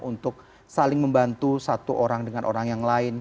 untuk saling membantu satu orang dengan orang yang lain